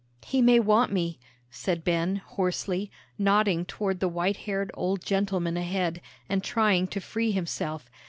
"He may want me," said Ben, hoarsely, nodding toward the white haired old gentleman ahead, and trying to free himself.